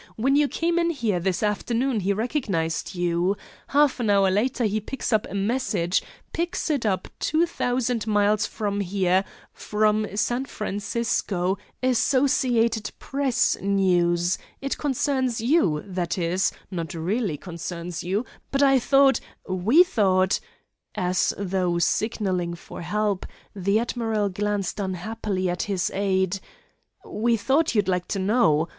When you came in here this afternoon he recognized you. Half an hour later he picks up a message picks it up two thousand miles from here from San Francisco Associated Press news it concerns you; that is, not really concerns you, but I thought, we thought" as though signalling for help, the admiral glanced unhappily at his aide "we thought you'd like to know.